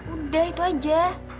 udah itu aja